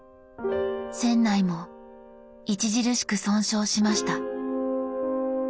船内も著しく損傷しました。